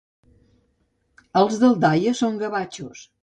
Els d'Aldaia són gavatxos.